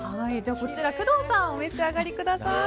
こちら、工藤さんお召し上がりください。